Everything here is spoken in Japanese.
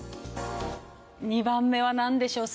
２番目はなんでしょう？